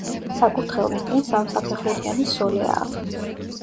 საკურთხევლის წინ სამსაფეხურიანი სოლეაა.